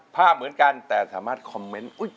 ภาพเหมือนกันแต่สามารถคอมเมนต์